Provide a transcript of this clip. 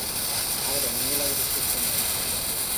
அவரும் நீலகிரிக்குச் சென்றார்.